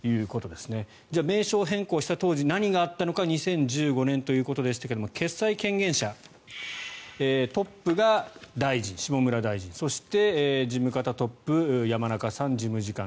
では、名称変更した当時何があったのか２０１５年ということでしたが決裁権限者、トップが下村大臣そして、事務方トップ山中さん、事務次官。